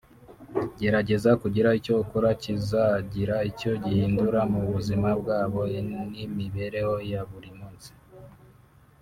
Gerageza kugira icyo ukora kizagira icyo gihindura mu buzima bwabo n’imibereho ya buri munsi